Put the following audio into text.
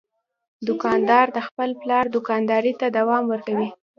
دوکاندار د خپل پلار دوکانداري ته دوام ورکوي.